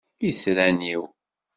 Itran-iw!